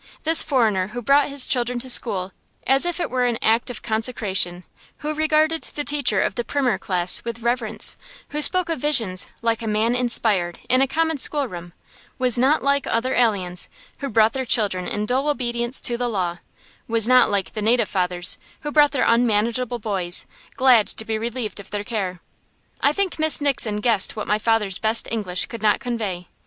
This foreigner, who brought his children to school as if it were an act of consecration, who regarded the teacher of the primer class with reverence, who spoke of visions, like a man inspired, in a common schoolroom, was not like other aliens, who brought their children in dull obedience to the law; was not like the native fathers, who brought their unmanageable boys, glad to be relieved of their care. I think Miss Nixon guessed what my father's best English could not convey.